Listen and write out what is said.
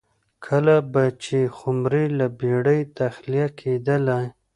کله به چې خُمرې له بېړۍ تخلیه کېدلې